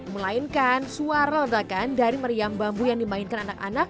melainkan suara ledakan dari meriam bambu yang dimainkan anak anak